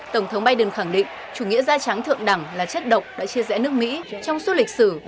tổng thống biden khẳng định chủ nghĩa da trắng thượng đẳng là chất độc đã chia rẽ nước mỹ trong suốt lịch sử